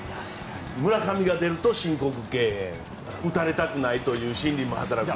村上が出ると申告敬遠打たれたくないという心理も働く。